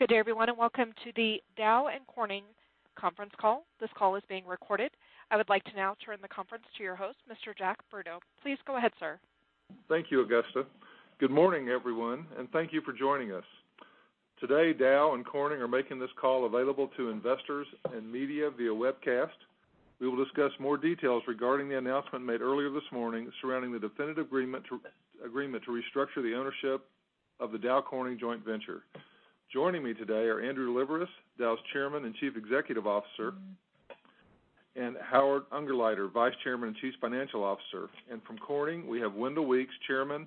Good day everyone, welcome to the Dow and Corning conference call. This call is being recorded. I would like to now turn the conference to your host, Mr. Jack Broodo. Please go ahead, sir. Thank you, Augusta. Good morning, everyone, thank you for joining us. Today, Dow and Corning are making this call available to investors and media via webcast. We will discuss more details regarding the announcement made earlier this morning surrounding the definitive agreement to restructure the ownership of the Dow Corning joint venture. Joining me today are Andrew Liveris, Dow's Chairman and Chief Executive Officer, Howard Ungerleider, Vice Chairman and Chief Financial Officer. From Corning, we have Wendell Weeks, Chairman,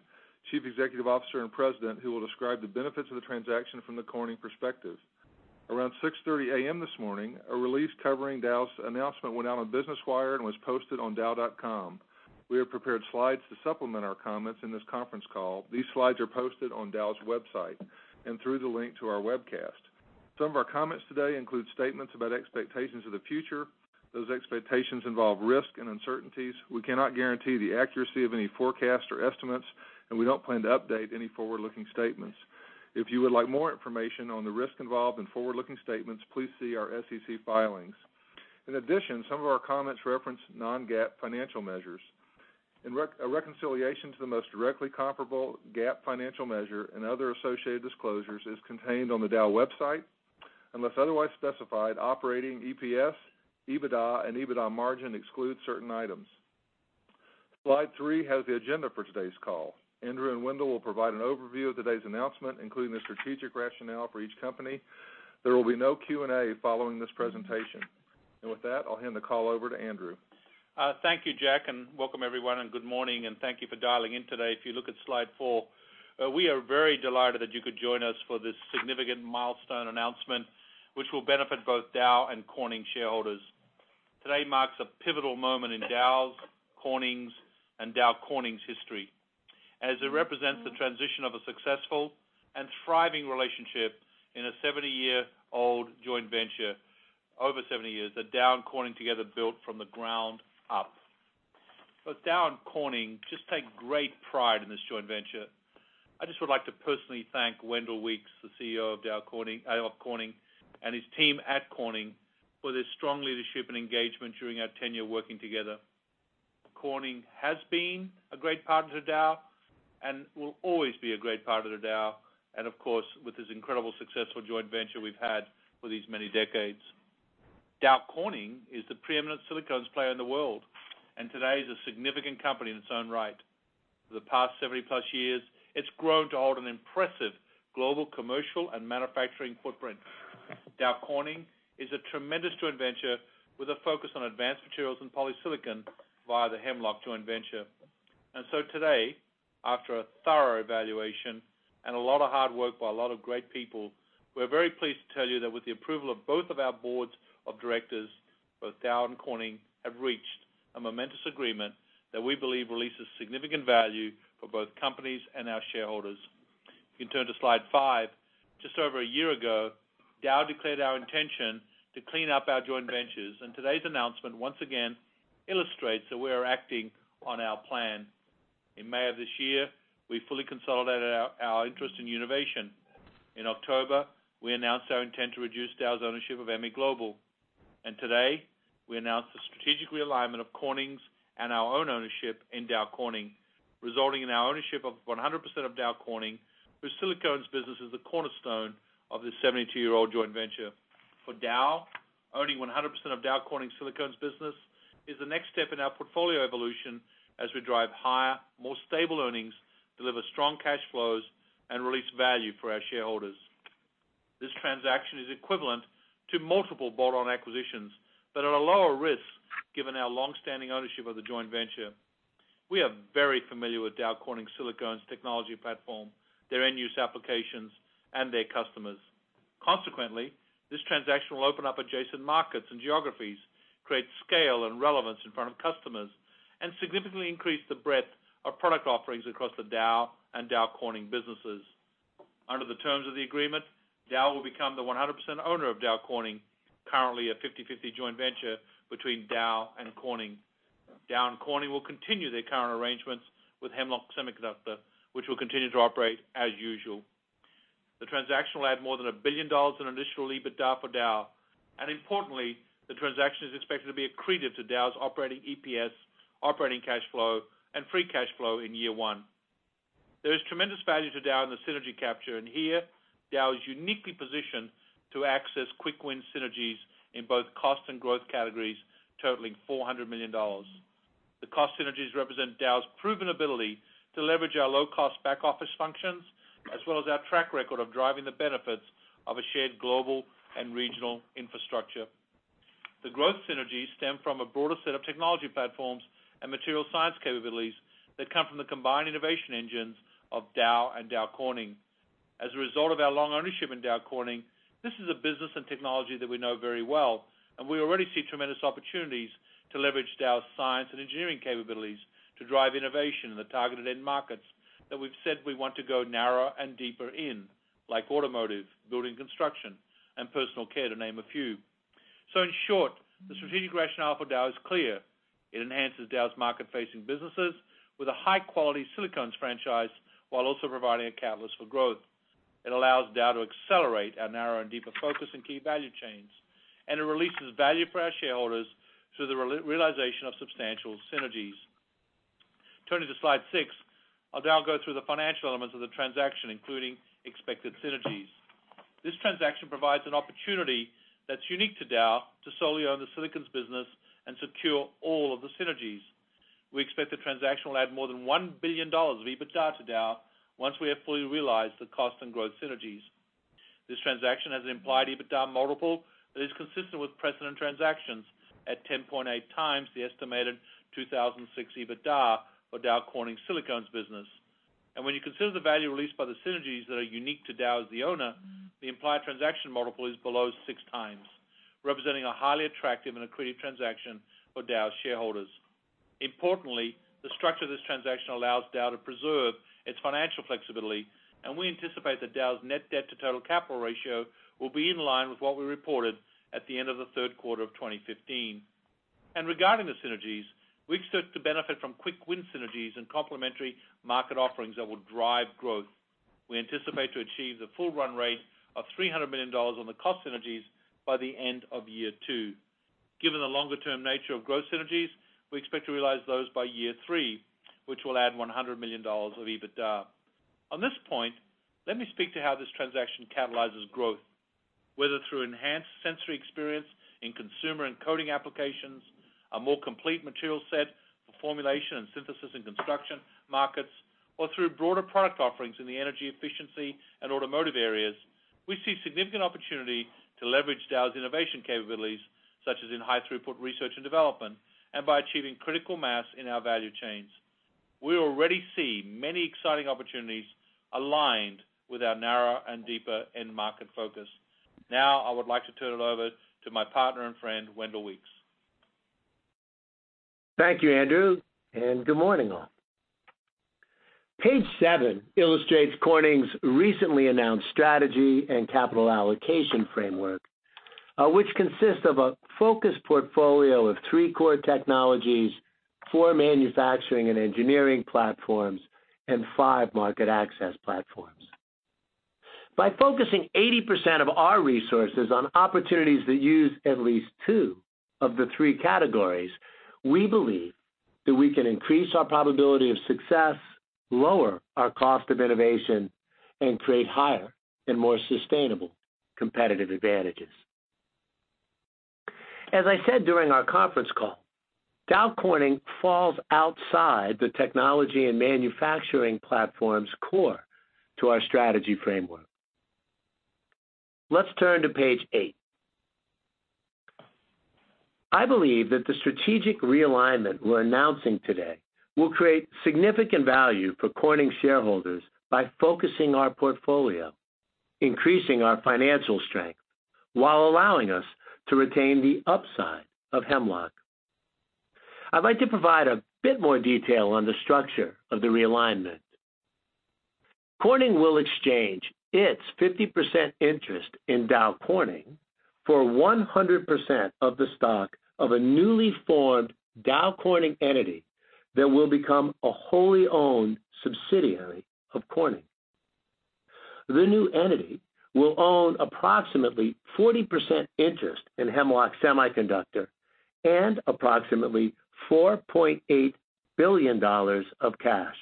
Chief Executive Officer, and President, who will describe the benefits of the transaction from the Corning perspective. Around 6:30 A.M. this morning, a release covering Dow's announcement went out on Business Wire and was posted on dow.com. We have prepared slides to supplement our comments in this conference call. These slides are posted on Dow's website and through the link to our webcast. Some of our comments today include statements about expectations of the future. Those expectations involve risk and uncertainties. We cannot guarantee the accuracy of any forecast or estimates, we don't plan to update any forward-looking statements. If you would like more information on the risks involved in forward-looking statements, please see our SEC filings. In addition, some of our comments reference non-GAAP financial measures. A reconciliation to the most directly comparable GAAP financial measure and other associated disclosures is contained on the Dow website. Unless otherwise specified, operating EPS, EBITDA, and EBITDA margin exclude certain items. Slide three has the agenda for today's call. Andrew and Wendell will provide an overview of today's announcement, including the strategic rationale for each company. There will be no Q&A following this presentation. With that, I'll hand the call over to Andrew. Thank you, Jack, welcome everyone, good morning, thank you for dialing in today. If you look at slide four, we are very delighted that you could join us for this significant milestone announcement, which will benefit both Dow and Corning shareholders. Today marks a pivotal moment in Dow's, Corning's, and Dow Corning's history, as it represents the transition of a successful and thriving relationship in a 70-year-old joint venture, over 70 years, that Dow and Corning together built from the ground up. Both Dow and Corning just take great pride in this joint venture. I just would like to personally thank Wendell Weeks, the CEO of Corning, and his team at Corning for their strong leadership and engagement during our tenure working together. Corning has been a great partner to Dow and will always be a great partner to Dow and of course, with this incredible successful joint venture we've had for these many decades. Dow Corning is the preeminent silicones player in the world, and today is a significant company in its own right. For the past 70-plus years, it's grown to hold an impressive global commercial and manufacturing footprint. Dow Corning is a tremendous joint venture with a focus on advanced materials and polysilicon via the Hemlock joint venture. Today, after a thorough evaluation and a lot of hard work by a lot of great people, we're very pleased to tell you that with the approval of both of our boards of directors, both Dow and Corning have reached a momentous agreement that we believe releases significant value for both companies and our shareholders. If you turn to slide five, just over a year ago, Dow declared our intention to clean up our joint ventures, and today's announcement once again illustrates that we are acting on our plan. In May of this year, we fully consolidated our interest in Univation. In October, we announced our intent to reduce Dow's ownership of MEGlobal. Today, we announced the strategic realignment of Corning's and our own ownership in Dow Corning, resulting in our ownership of 100% of Dow Corning, whose silicones business is the cornerstone of this 72-year-old joint venture. For Dow, owning 100% of Dow Corning's silicones business is the next step in our portfolio evolution as we drive higher, more stable earnings, deliver strong cash flows, and release value for our shareholders. This transaction is equivalent to multiple bolt-on acquisitions, at a lower risk given our long-standing ownership of the joint venture. We are very familiar with Dow Corning's silicones technology platform, their end-use applications, and their customers. Consequently, this transaction will open up adjacent markets and geographies, create scale and relevance in front of customers, and significantly increase the breadth of product offerings across the Dow and Dow Corning businesses. Under the terms of the agreement, Dow will become the 100% owner of Dow Corning, currently a 50/50 joint venture between Dow and Corning. Dow and Corning will continue their current arrangements with Hemlock Semiconductor, which will continue to operate as usual. The transaction will add more than $1 billion in additional EBITDA for Dow. Importantly, the transaction is expected to be accretive to Dow's operating EPS, operating cash flow, and free cash flow in year one. There is tremendous value to Dow in the synergy capture. Here, Dow is uniquely positioned to access quick win synergies in both cost and growth categories totaling $400 million. The cost synergies represent Dow's proven ability to leverage our low-cost back-office functions, as well as our track record of driving the benefits of a shared global and regional infrastructure. The growth synergies stem from a broader set of technology platforms and material science capabilities that come from the combined innovation engines of Dow and Dow Corning. As a result of our long ownership in Dow Corning, this is a business and technology that we know very well, and we already see tremendous opportunities to leverage Dow's science and engineering capabilities to drive innovation in the targeted end markets that we've said we want to go narrower and deeper in, like automotive, building construction, and personal care, to name a few. In short, the strategic rationale for Dow is clear. It enhances Dow's market-facing businesses with a high-quality silicones franchise, while also providing a catalyst for growth. It allows Dow to accelerate our narrow and deeper focus in key value chains, and it releases value for our shareholders through the realization of substantial synergies. Turning to slide six, I'll now go through the financial elements of the transaction, including expected synergies. This transaction provides an opportunity that's unique to Dow to solely own the silicones business and secure all of the synergies. We expect the transaction will add more than $1 billion of EBITDA to Dow once we have fully realized the cost and growth synergies. This transaction has an implied EBITDA multiple that is consistent with precedent transactions at 10.8x the estimated 2006 EBITDA for Dow Corning silicones business. When you consider the value released by the synergies that are unique to Dow as the owner, the implied transaction multiple is below six times, representing a highly attractive and accretive transaction for Dow shareholders. Importantly, the structure of this transaction allows Dow to preserve its financial flexibility, and we anticipate that Dow's net debt to total capital ratio will be in line with what we reported at the end of the third quarter of 2015. Regarding the synergies, we expect to benefit from quick win synergies and complementary market offerings that will drive growth. We anticipate to achieve the full run rate of $300 million on the cost synergies by the end of year two. Given the longer-term nature of growth synergies, we expect to realize those by year three, which will add $100 million of EBITDA. On this point, let me speak to how this transaction catalyzes growth, whether through enhanced sensory experience in consumer and coating applications, a more complete material set for formulation and synthesis in construction markets, or through broader product offerings in the energy efficiency and automotive areas. We see significant opportunity to leverage Dow's innovation capabilities, such as in high throughput research and development, and by achieving critical mass in our value chains. We already see many exciting opportunities aligned with our narrow and deeper end market focus. I would like to turn it over to my partner and friend, Wendell Weeks. Thank you, Andrew, and good morning, all. Page seven illustrates Corning's recently announced strategy and capital allocation framework, which consists of a focused portfolio of three core technologies, four manufacturing and engineering platforms, and five market access platforms. By focusing 80% of our resources on opportunities that use at least two of the three categories, we believe that we can increase our probability of success, lower our cost of innovation, and create higher and more sustainable competitive advantages. As I said during our conference call, Dow Corning falls outside the technology and manufacturing platform's core to our strategy framework. Let's turn to page eight. I believe that the strategic realignment we're announcing today will create significant value for Corning shareholders by focusing our portfolio, increasing our financial strength, while allowing us to retain the upside of Hemlock. I'd like to provide a bit more detail on the structure of the realignment. Corning will exchange its 50% interest in Dow Corning for 100% of the stock of a newly formed Dow Corning entity that will become a wholly owned subsidiary of Corning. The new entity will own approximately 40% interest in Hemlock Semiconductor and approximately $4.8 billion of cash.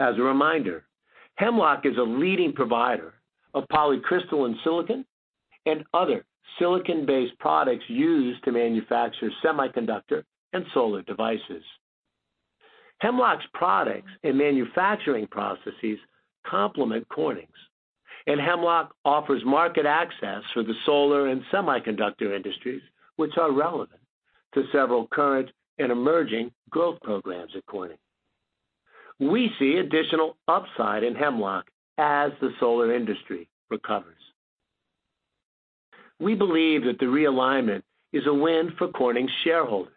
As a reminder, Hemlock is a leading provider of polycrystalline silicon and other silicon-based products used to manufacture semiconductor and solar devices. Hemlock's products and manufacturing processes complement Corning's, and Hemlock offers market access for the solar and semiconductor industries, which are relevant to several current and emerging growth programs at Corning. We see additional upside in Hemlock as the solar industry recovers. We believe that the realignment is a win for Corning shareholders.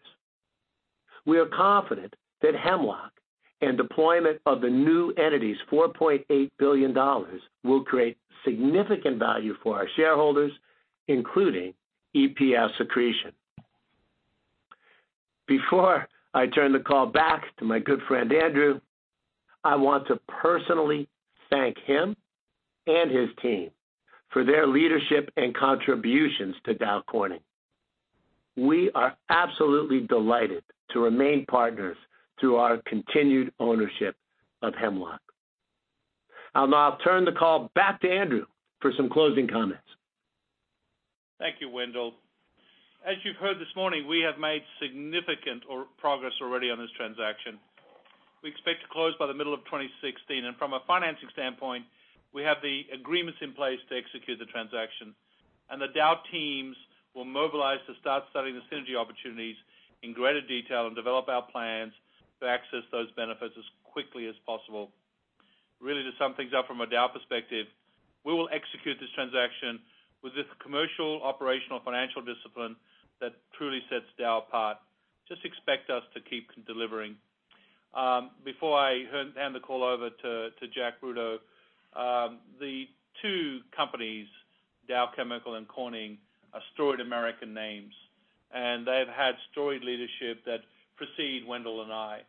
We are confident that Hemlock and deployment of the new entity's $4.8 billion will create significant value for our shareholders, including EPS accretion. Before I turn the call back to my good friend Andrew, I want to personally thank him and his team for their leadership and contributions to Dow Corning. We are absolutely delighted to remain partners through our continued ownership of Hemlock. I'll now turn the call back to Andrew for some closing comments. Thank you, Wendell. As you've heard this morning, we have made significant progress already on this transaction. We expect to close by the middle of 2016. From a financing standpoint, we have the agreements in place to execute the transaction. The Dow teams will mobilize to start studying the synergy opportunities in greater detail and develop our plans to access those benefits as quickly as possible. Really to sum things up from a Dow perspective, we will execute this transaction with the commercial, operational, financial discipline that truly sets Dow apart. Just expect us to keep delivering. Before I hand the call over to Jack Broodo, the two companies, Dow Chemical and Corning, are storied American names, and they've had storied leadership that precede Wendell and I.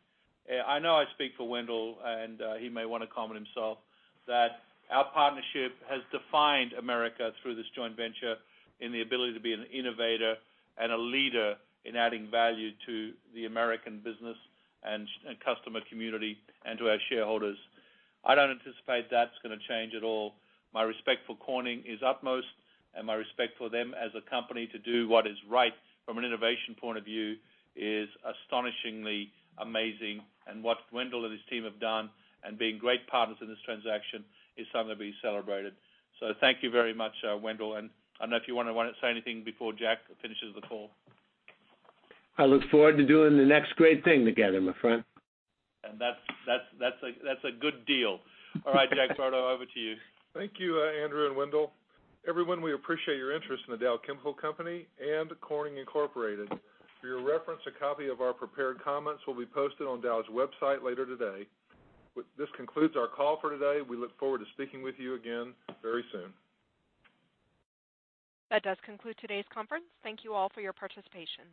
I know I speak for Wendell, and he may want to comment himself, that our partnership has defined America through this joint venture in the ability to be an innovator and a leader in adding value to the American business and customer community and to our shareholders. I don't anticipate that's going to change at all. My respect for Corning is utmost, and my respect for them as a company to do what is right from an innovation point of view is astonishingly amazing. What Wendell and his team have done and being great partners in this transaction is something to be celebrated. Thank you very much, Wendell, and I don't know if you want to say anything before Jack finishes the call. I look forward to doing the next great thing together, my friend. That's a good deal. All right, Jack Broodo, over to you. Thank you, Andrew and Wendell. Everyone, we appreciate your interest in The Dow Chemical Company and Corning Incorporated. For your reference, a copy of our prepared comments will be posted on Dow's website later today. This concludes our call for today. We look forward to speaking with you again very soon. That does conclude today's conference. Thank you all for your participation.